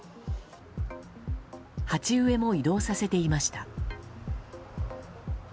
鉢植えも移動させていました。